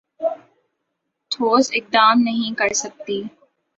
ٹھوس اقدام نہیں کرسکی